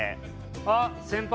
あっ先輩！